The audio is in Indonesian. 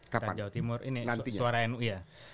kapan nantinya ini suara nu ya